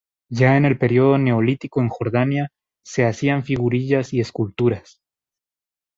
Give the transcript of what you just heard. Ya en el período neolítico en Jordania, se hacían figurillas y esculturas.